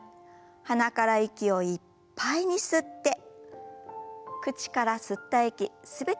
鼻から息をいっぱいに吸って口から吸った息全て吐き出しましょう。